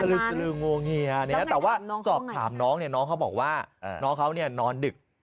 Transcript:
ลืองวงเงียแต่ว่าสอบถามน้องเนี่ยน้องเขาบอกว่าน้องเขานอนดึก